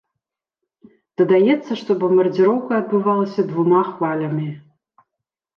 Дадаецца, што бамбардзіроўка адбывалася двума хвалямі.